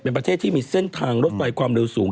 เป็นประเทศที่มีเส้นทางรถไฟความเร็วสูง